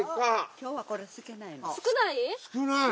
今日はこれ少ないの。